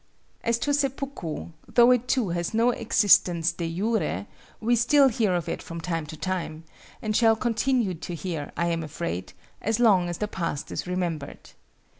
As to seppuku, though it too has no existence de jure, we still hear of it from time to time, and shall continue to hear, I am afraid, as long as the past is remembered.